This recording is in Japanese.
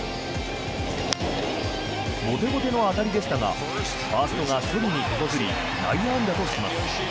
ボテボテの当たりでしたがファーストが処理に手こずり内野安打とします。